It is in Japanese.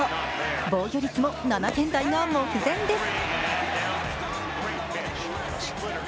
防御率も７点台が目前です。